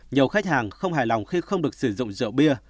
nhiều khách hàng không hài lòng khi không được sử dụng rượu bia